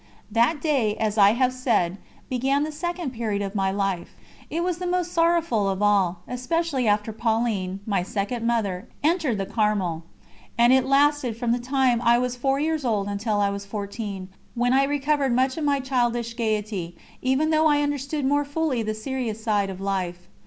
That day, as I have said, began the second period of my life. It was the most sorrowful of all, especially after Pauline, my second Mother, entered the Carmel; and it lasted from the time I was four years old until I was fourteen, when I recovered much of my childish gaiety, even though I understood more fully the serious side of life.